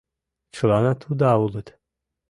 Чыланат уда улыт.